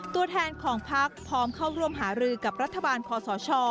ตัวแทนของพักพร้อมเข้าร่วมหารือกับรัฐบาลคอสช